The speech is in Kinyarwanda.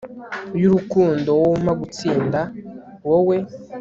yurukundo wowe umpa gutsinda; wowe